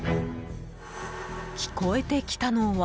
聞こえてきたのは。